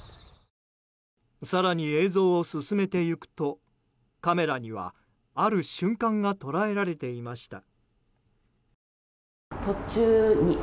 更に映像を進めていくとカメラにはある瞬間が捉えられていました。